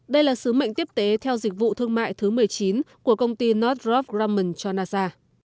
đây là sứ mệnh tiếp tế theo dịch vụ thương mại thứ một mươi chín của công ty nodrop drammen cho nasa